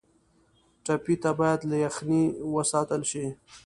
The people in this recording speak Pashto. ټپي ته باید له یخنۍ وساتل شي.